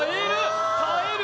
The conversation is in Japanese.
耐える